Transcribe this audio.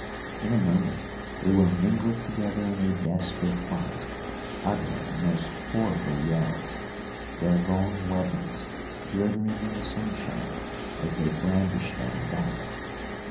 In a moment they were mingled together in a desperate fight, uttering the most horrible yells, their long weapons glittering in the sunshine as they brandished them about.